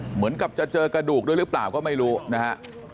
เหมือนกับจะเจอกระดูกด้วยหรือเปล่าก็ไม่รู้นะฮะ